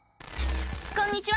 こんにちは！